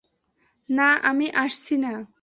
না আমি আসছি না।